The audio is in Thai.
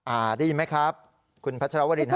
ได้ยินไหมครับคุณพัชรวรินฮ